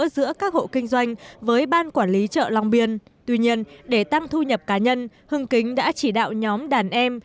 giữa các hộ kinh doanh với ban quản lý chợ long biên tuy nhiên để tăng thu nhập cá nhân hưng kính đã chỉ đạo nhóm đàn em